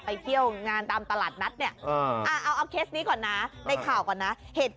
ไม่ได้อยากเล่นทำไมพี่ไม่บอกให้ฉันเล่น